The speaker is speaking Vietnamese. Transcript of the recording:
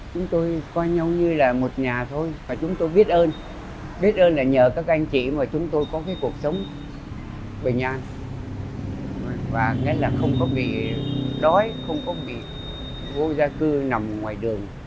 chúng tôi coi nhau như là một nhà thôi và chúng tôi biết ơn biết ơn là nhờ các anh chị mà chúng tôi có cái cuộc sống bình an và nghĩa là không có bị đói không có bị vô gia cư nằm ngoài đường